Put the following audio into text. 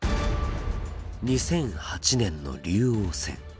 ２００８年の竜王戦。